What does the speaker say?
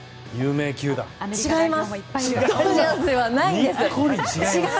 違います！